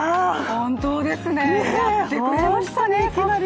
本当ですね、やってくれましたね、いきなり。